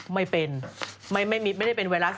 ไม่เป็นไม่ได้เป็นไวรัส